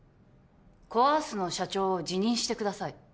コ・アースの社長を辞任してください